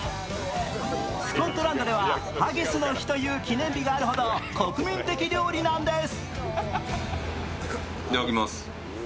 スコットランドではハギスの日という記念日があるほど国民的料理なんです。